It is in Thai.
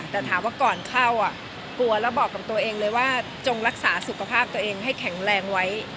แต่ถามว่าก่อนเข้ากลัวแล้วบอกกับตัวเองเลยว่าจงรักษาสุขภาพตัวเองให้แข็งแรงไว้